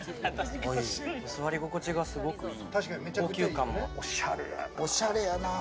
座り心地がすごくいい。